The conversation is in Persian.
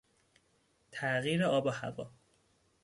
تغییر آب و هوا